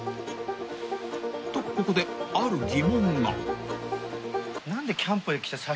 ［とここである疑問が］